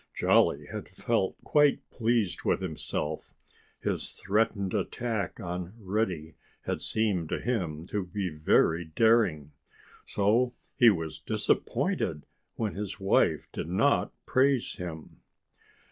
Jolly had felt quite pleased with himself. His threatened attack on Reddy had seemed to him to be very daring. So he was disappointed when his wife did not praise him.